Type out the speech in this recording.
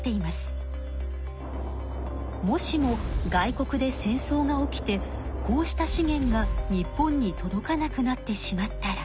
もしも外国で戦争が起きてこうした資源が日本に届かなくなってしまったら。